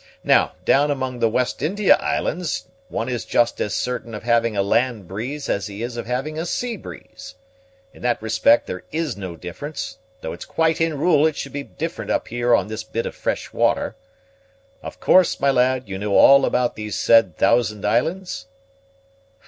Now, down among the West India Islands, one is just as certain of having a land breeze as he is of having a sea breeze. In that respect there is no difference, though it's quite in rule it should be different up here on this bit of fresh water. Of course, my lad, you know all about these said Thousand Islands?"